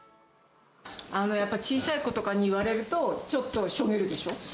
やっぱり小さい子とかに言われると、ちょっとしょげるでしょ？